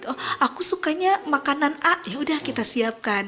oh aku sukanya makanan a yaudah kita siapkan